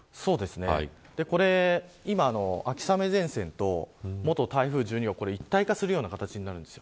今、秋雨前線と元台風１２号が一体化するような形になるんです。